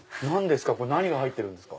これ何が入ってるんですか？